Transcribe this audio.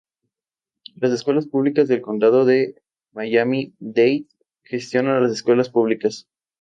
Las Escuelas Públicas del Condado de Miami-Dade gestiona las escuelas públicas.